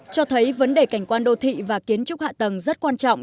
cho thấy vấn đề cảnh quan đô thị và kiến trúc hạ tầng rất quan trọng